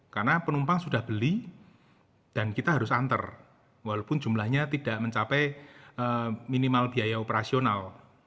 karena penumpang sudah beli dan kita harus antar walaupun jumlahnya tidak mencapai minimal biaya operasional